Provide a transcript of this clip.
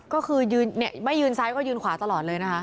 ก็คือไม่ยืนซ้ายก็ยืนขวาตลอดเลยนะคะ